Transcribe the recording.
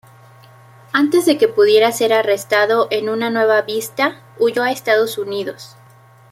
Antes de que pudiera ser arrestado en una nueva vista, huyó a Estados Unidos.